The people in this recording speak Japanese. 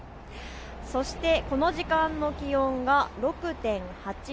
そしてこの時間の気温は６．８度。